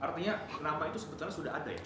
artinya kenapa itu sebetulnya sudah ada ya